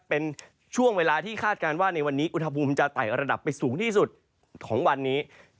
เป็นช่วงเวลาที่คาดการณ์ว่าในวันนี้อุณหภูมิจะไต่ระดับไปสูงที่สุดของวันนี้